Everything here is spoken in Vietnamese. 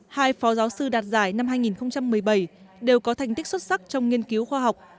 hai phó giáo sư đạt giải năm hai nghìn một mươi bảy đều có thành tích xuất sắc trong nghiên cứu khoa học